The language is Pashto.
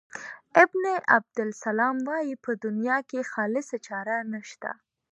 ابن عبدالسلام وايي په دنیا کې خالصه چاره نشته.